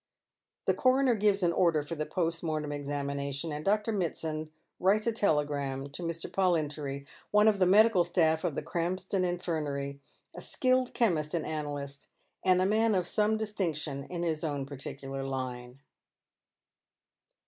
The coroner gives an order for the post mortem examination, and Dr. Mitsand writes a telegi am to Mr. PoUintory, one of the medical staff of the Krampston Infinnary, a skilled chemist and analyst, and a man of some distinction in his own particular hne.